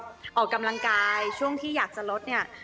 อยู่ด้วยถ้าว่ากำลังกายช่วงที่อยากจะลดเนี่ย